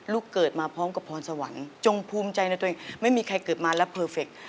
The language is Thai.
เกิดมาพร้อมกับพรสวรรค์จงภูมิใจในตัวเองไม่มีใครเกิดมาแล้วเพอร์เฟค